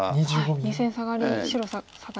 ２線サガリ